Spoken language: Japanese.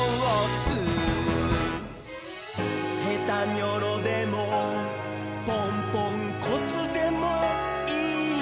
「ヘタニョロでもポンポンコツでもいい」